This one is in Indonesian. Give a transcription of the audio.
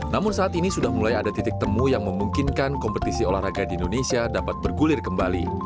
namun saat ini sudah mulai ada titik temu yang memungkinkan kompetisi olahraga di indonesia dapat bergulir kembali